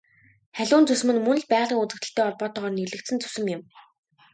Халиун зүсэм нь мөн л байгалийн үзэгдэлтэй холбоотойгоор нэрлэгдсэн зүсэм юм.